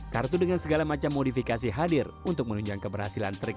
kartu dengan segala macam modifikasi hadir untuk menunjang keberhasilan trik